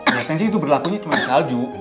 biasanya sih itu berlakunya cuma di salju